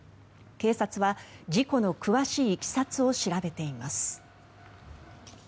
警察は事故の詳しいいきさつを調べています。